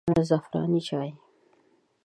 زعفراني چای